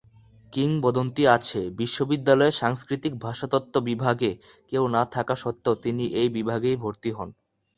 কিংবদন্তি আছে, বিশ্ববিদ্যালয়ে সাংস্কৃতিক ভাষাতত্ত্ব বিভাগে কেউ না থাকা স্বত্বেও তিনি এই বিভাগেই ভর্তি হন।